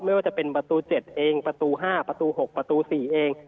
ไม่ว่าจะเป็นประตู๗เองประตู๕ประตู๖ประตู๔เอง